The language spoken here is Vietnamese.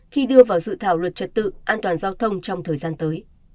khi đưa vào dự thảo luật trật tự an toàn giao thông trong thời gian tới